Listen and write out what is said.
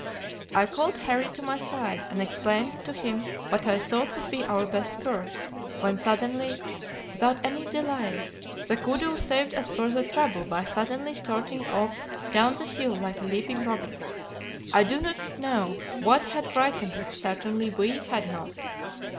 I called Harry to my side, and explained to him what I thought would be our best course, when suddenly, without any delay, the koodoo saved us further trouble by suddenly starting off down the hill like a leaping rocket. I do not know what had frightened it, certainly we had not.